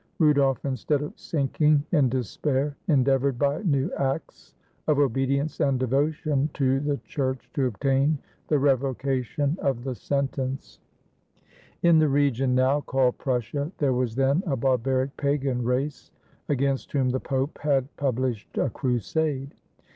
Rudolf, instead of sinking in despair, endeavored, by new acts of obedience and de votion to the Church, to obtain the revocation of the sentence. 260 RUDOLF THE FIRST BECOMES EMPEROR In the region now called Prussia, there was then a barbaric pagan race, against whom the Pope had pub lished a crusade.